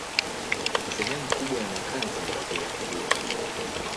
Sehemu kubwa ya makazi ni ya kudumu.